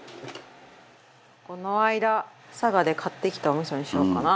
この間佐賀で買ってきたお味噌にしようかな。